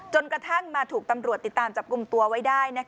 กระทั่งมาถูกตำรวจติดตามจับกลุ่มตัวไว้ได้